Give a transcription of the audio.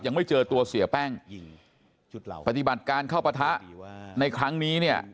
ยังไม่เจอตัวเสียแป้งปฏิบัติการเข้าปะทะในครั้งนี้เนี่ย